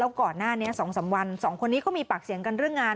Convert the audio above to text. ก่อนหน้านี้๒๓วัน๒คนนี้เขามีปากเสียงกันเรื่องงาน